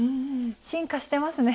進化してますね。